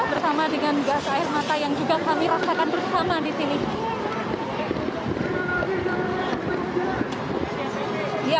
bersama dengan gas air mata yang juga kami rasakan bersama di sini